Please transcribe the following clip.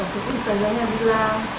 waktu itu ustazahnya bilang